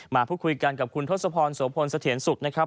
มาพูดคุยกันกับคุณทศพรโสพลเสถียรสุขนะครับ